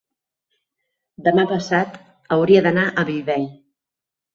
demà passat hauria d'anar a Bellvei.